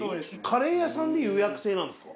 カレー屋さんで予約制なんですか？